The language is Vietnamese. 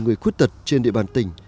người khuyết tật trên địa bàn tỉnh